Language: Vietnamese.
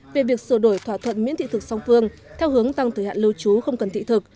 về việc sửa đổi thỏa thuận miễn thị thực song phương theo hướng tăng thời hạn lưu trú không cần thị thực